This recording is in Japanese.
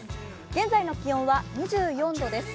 現在の気温は２４度です。